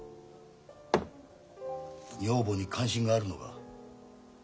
女房に関心があるのか。